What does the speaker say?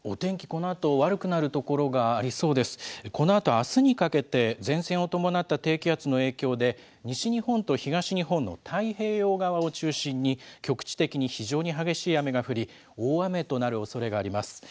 このあとあすにかけて、前線を伴った低気圧の影響で、西日本と東日本の太平洋側を中心に、局地的に非常に激しい雨が降り、大雨となるおそれがあります。